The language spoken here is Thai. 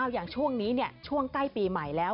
อย่างช่วงนี้ช่วงใกล้ปีใหม่แล้ว